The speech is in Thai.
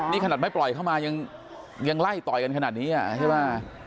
นี่ขนาดไม่ปล่อยเข้ามายังไล่ต่อยกันขนาดนี้ใช่ไหม